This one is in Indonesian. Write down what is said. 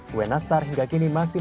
kue nastar hingga kini masih